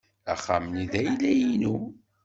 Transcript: Axxam-nni d ayla-inu.